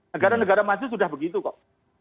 negara negara maju sudah begitu kok